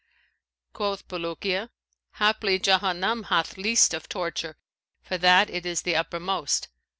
Quoth Bulukiya, 'Haply Jahannam hath least of torture for that it is the uppermost.'